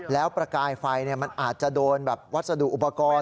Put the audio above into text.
แล้วประกายไฟมันอาจจะโดนแบบวัสดุอุปกรณ์